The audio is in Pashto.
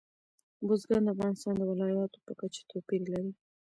بزګان د افغانستان د ولایاتو په کچه توپیر لري.